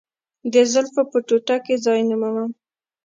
د زلفو په ټوټه کې ځای نه مومم.